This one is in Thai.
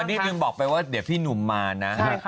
นิดนึงบอกไปว่าเดี๋ยวพี่หนุ่มมานะ